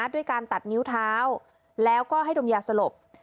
ด้วยการตัดนิ้วเท้าแล้วก็ให้ดมยาสลบ